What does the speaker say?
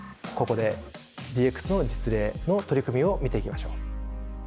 ここでＤＸの実例の取り組みを見ていきましょう。